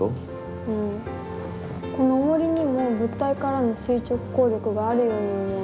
このおもりにも物体からの垂直抗力があるように思うんだけど。